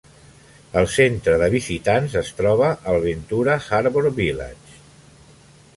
El centre de visitants es troba al Ventura Harbor Village.